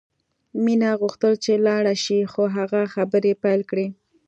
مینه غوښتل چې لاړه شي خو هغه خبرې پیل کړې